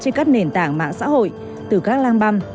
trên các nền tảng mạng xã hội từ các lang băng